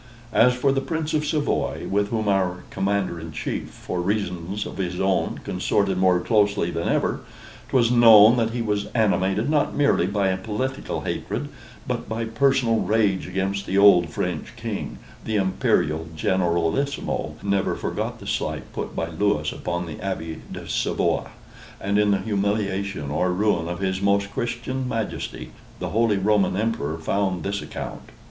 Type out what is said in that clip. As for the Prince of Savoy, with whom our Commander in Chief, for reasons of his own, consorted more closely than ever, 'twas known that he was animated not merely by a political hatred, but by personal rage against the old French King: the Imperial Generalissimo never forgot the slight put by Lewis upon the Abbe de Savoie; and in the humiliation or ruin of his most Christian Majesty, the Holy Roman Emperor found his account.